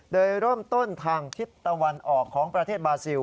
โดยเริ่มต้นทางทิศตะวันออกของประเทศบาซิล